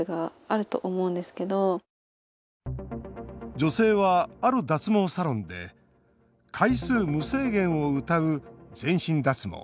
女性は、ある脱毛サロンで回数無制限をうたう全身脱毛